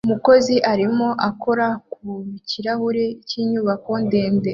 Umukozi arimo akora ku kirahure cy'inyubako ndende